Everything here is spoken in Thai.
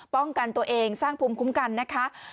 ป้องกันตัวเองสร้างภูมิคุ้มกันนะคะ